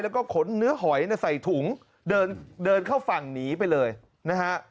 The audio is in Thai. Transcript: แล้วก็ขนเนื้อหอยใส่ถุงเดินเข้าฝั่งหนีไปเลยนะฮะ